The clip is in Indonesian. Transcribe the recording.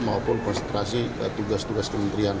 maupun konsentrasi tugas tugas kementerian